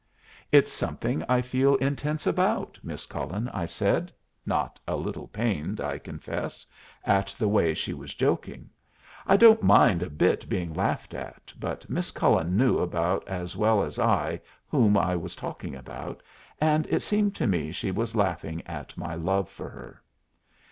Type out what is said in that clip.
"It's something I feel intense about, Miss Cullen," I said, not a little pained, I confess, at the way she was joking. I don't mind a bit being laughed at, but Miss Cullen knew, about as well as I, whom I was talking about, and it seemed to me she was laughing at my love for her.